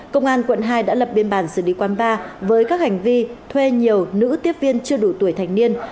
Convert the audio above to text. công an quận hai đã lập biên bản xử lý quán bar với các hành vi thuê nhiều nữ tiếp viên chưa đủ tuổi thành niên